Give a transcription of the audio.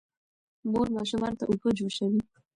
مور ماشومانو ته اوبه جوشوي.